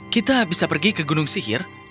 kita bisa pergi ke gunung sihir